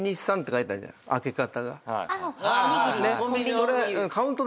それ。